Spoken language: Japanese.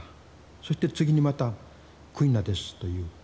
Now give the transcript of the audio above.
そして次にまた「クイナです」と言う。